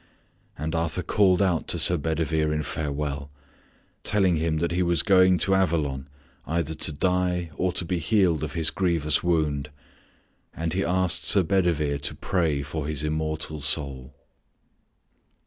And Arthur called out to Sir Bedivere in farewell, telling him that he was going to Avalon either to die or to be healed of his grievous wound, and he asked Sir Bedivere to pray for his immortal soul.